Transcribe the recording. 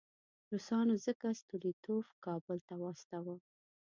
روسانو ځکه ستولیتوف کابل ته واستاوه.